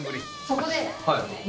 そこで。